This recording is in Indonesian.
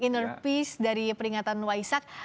inner peace dari peringatan waisak